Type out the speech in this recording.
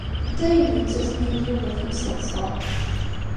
Dayem yettazen-iyi-d Yuba timseḍsa.